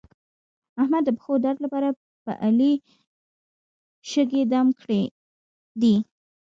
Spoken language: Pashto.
احمد د پښو درد لپاره په علي شګې دم کړې دي.